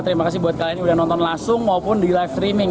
terima kasih buat kalian yang udah nonton langsung maupun di live streaming